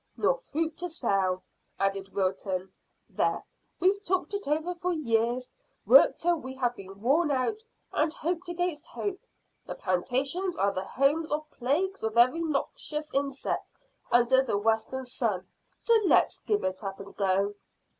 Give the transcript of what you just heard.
"Nor fruit to sell," added Wilton. "There, we've talked it over for years, worked till we have been worn out, and hoped against hope. The plantations are the homes of plagues of every noxious insect under the western sun, so let's give it up and go."